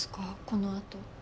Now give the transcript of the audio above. このあと。